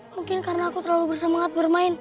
mungkin karena aku terlalu bersemangat bermain